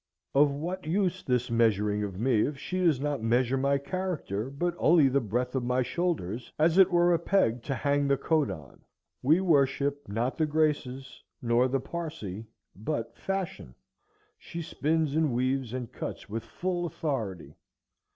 Of what use this measuring of me if she does not measure my character, but only the breadth of my shoulders, as it were a peg to hang the coat on? We worship not the Graces, nor the Parcæ, but Fashion. She spins and weaves and cuts with full authority.